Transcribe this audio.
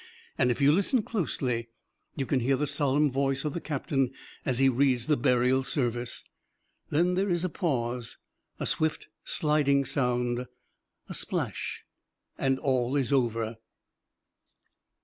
And if you listen closely you can hear the solemn voice of the captain as he reads the burial service. Then there is a pause a swift, sliding sound a splash, and all is over.